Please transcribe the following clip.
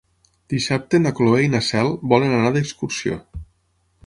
Dissabte na Cloè i na Cel volen anar d'excursió.